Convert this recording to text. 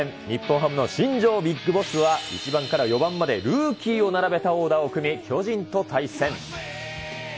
日本ハムの新庄ビッグボスは、１番から４番までルーキーを並べたオーダーを組み、巨人と対戦。